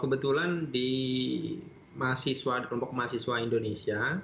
kebetulan di mahasiswa kelompok mahasiswa indonesia